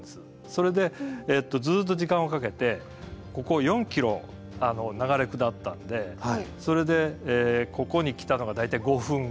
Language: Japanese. それでずっと時間をかけてここ４ｋｍ流れ下ったんでそれでここに来たのが大体５分後だったんですよ。